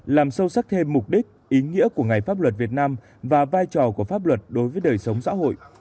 làm sâu sắc thêm mục đích ý nghĩa của ngày pháp luật việt nam và vai trò của pháp luật đối với đời sống xã hội